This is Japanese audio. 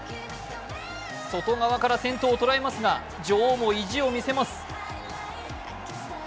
外側から先頭を捉えますが女王も意地をみせます。